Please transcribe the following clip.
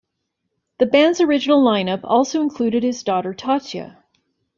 The band's original line up also included his daughter Tatia.